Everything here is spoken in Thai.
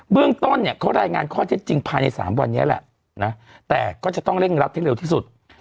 เรื่องต้นเนี่ยเขารายงานข้อเท็จจริงภายใน๓วันนี้แหละนะแต่ก็จะต้องเร่งรัดให้เร็วที่สุด